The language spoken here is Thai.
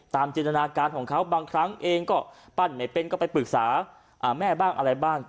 จินตนาการของเขาบางครั้งเองก็ปั้นไม่เป็นก็ไปปรึกษาแม่บ้างอะไรบ้าง